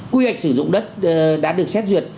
quy hoạch sử dụng đất đã được xét duyệt